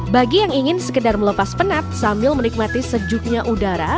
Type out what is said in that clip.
bagi yang ingin sekedar melepas penat sambil menikmati sejuknya udara